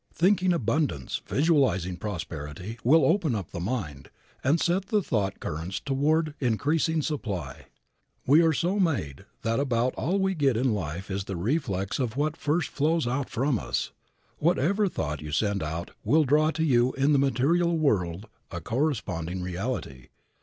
Thinking abundance, visualizing prosperity, will open up the mind, and set the thought currents toward increased supply. We are so made that about all we get in life is the reflex of what first flows out from us. Whatever thought you send out will draw to you in the material world a corresponding reality.